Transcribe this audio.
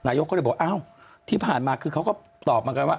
นายกก็เลยบอกอ้าวที่ผ่านมาคือเขาก็ตอบเหมือนกันว่า